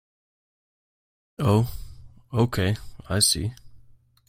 Oh okay, I see.